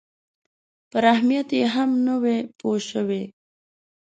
پر اهمیت یې هم نه وي پوه شوي.